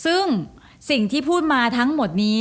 ซึ่งสิ่งที่พูดมาทั้งหมดนี้